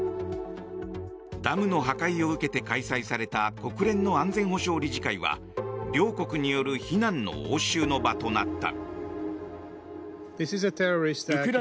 ダムの破壊を受けて開催された国連の安全保障理事会は両国による非難の応酬の場となった。